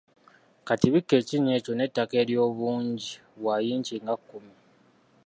Kati bikka ekinnya ekyo n’ettaka ery’obungi bwa yinchi nga kumi.